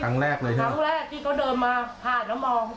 ครั้งแรกเลยใช่ไหมครั้งแรกที่เขาเดินมาผ่านแล้วมอง